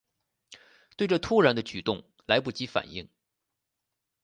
对这突然的举动来不及反应